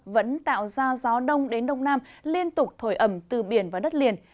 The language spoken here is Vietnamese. vẫn tạo ra gió đông đến đông nam liên tục thổi ẩm từ biển và đất liền